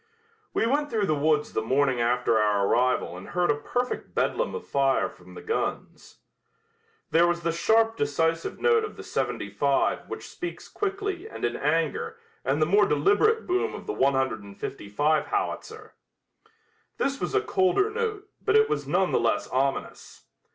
We went through the woods the morning after our arrival and heard a perfect bedlam of fire from the guns. There was the sharp decisive note of the seventy five which speaks quickly and in anger and the more deliberate boom of the one hundred and fifty five howitzer. This was a colder note but it was none the less ominous.